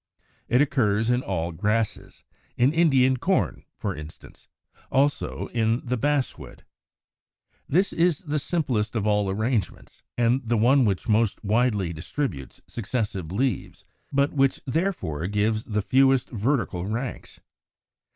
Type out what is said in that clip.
It occurs in all Grasses, in Indian Corn, for instance; also, in the Basswood (Fig. 181). This is the simplest of all arrangements, and the one which most widely distributes successive leaves, but which therefore gives the fewest vertical ranks.